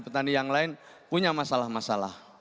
petani yang lain punya masalah masalah